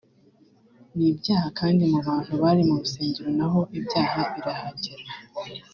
ni ibyaha kandi mu bantu bari mu rusengero naho ibyaha birahagera